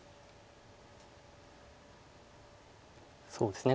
そうですね